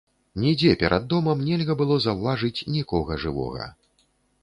Нідзе перад домам нельга было заўважыць нікога жывога.